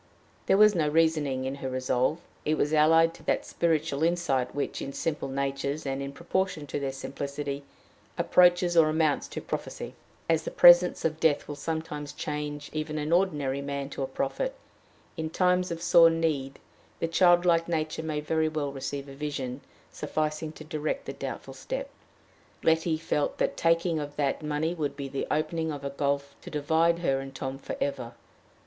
There was no reasoning in her resolve: it was allied to that spiritual insight which, in simple natures, and in proportion to their simplicity, approaches or amounts to prophecy. As the presence of death will sometimes change even an ordinary man to a prophet, in times of sore need the childlike nature may well receive a vision sufficing to direct the doubtful step. Letty felt that the taking of that money would be the opening of a gulf to divide her and Tom for ever.